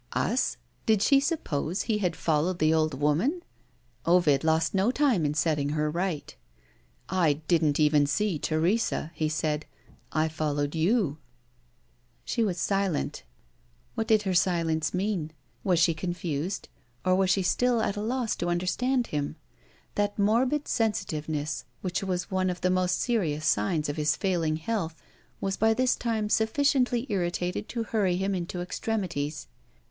Us? Did she suppose he had followed the old woman? Ovid lost no time in setting her right. "I didn't even see Teresa," he said. "I followed You." She was silent. What did her silence mean? Was she confused, or was she still at a loss to understand him? That morbid sensitiveness, which was one of the most serious signs of his failing health, was by this time sufficiently irritated to hurry him into extremities.